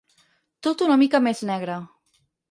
Tot una mica més negre.